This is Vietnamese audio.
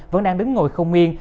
vẫn đang đứng ngồi không yên